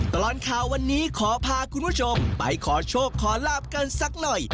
ตลอดข่าววันนี้ขอพาคุณผู้ชมไปขอโชคขอลาบกันสักหน่อย